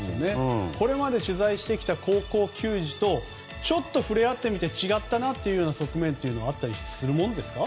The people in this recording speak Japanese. これまで取材してきた高校球児とちょっと触れ合ってみて違ったなという側面はあったりするものですか？